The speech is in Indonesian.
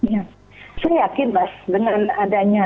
ya saya yakin mas dengan adanya